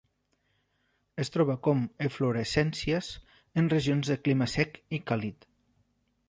Es troba com eflorescències en regions de clima sec i càlid.